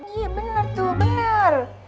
iya bener tuh bener